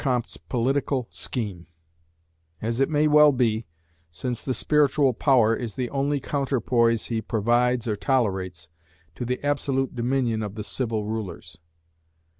Comte's political scheme; as it may well be, since the Spiritual Power is the only counterpoise he provides or tolerates, to the absolute dominion of the civil rulers.